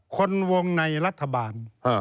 คนวงในรัฐบาล